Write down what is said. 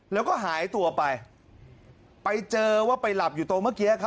แล้วก็หายตัวไปไปเจอว่าไปหลับอยู่ตรงเมื่อกี้ครับ